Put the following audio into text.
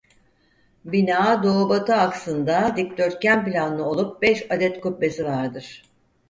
Bina doğu batı aksında dikdörtgen planlı olup beş adet kubbesi vardır.